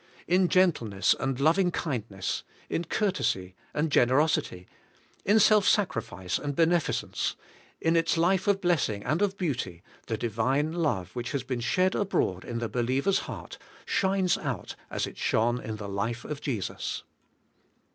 In gentleness and loving kind ness, in courtesy and generosity, in self sacrifice and beneficence, in its life of blessing and of beauty, the 196 ABIDE IN CHRIST: Divine love, which has been shed abroad in the be liever's heart, shines out as it shone in the life of Jesus.